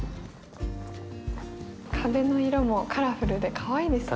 壁の色もカラフルでかわいいですね。